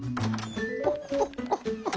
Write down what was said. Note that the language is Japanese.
ホッホッホッホッ。